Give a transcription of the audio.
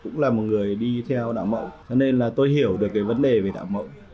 cho nên là tôi hiểu được cái vấn đề về đạo mẫu